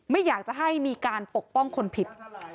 ไม่อยากจะให้มีการปกป้องคนผิด